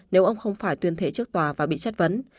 nếu ông không phải tuyên thệ trước tòa và bị chất vấn